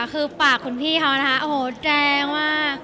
คือฝากคุณพี่เขานะคะโอ้โหแจงมาก